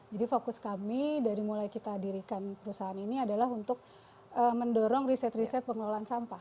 jadi fokus kami dari mulai kita dirikan perusahaan ini adalah untuk mendorong riset riset pengelolaan sampah